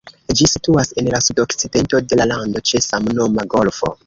Ĝi situas en la sudokcidento de la lando ĉe samnoma golfo.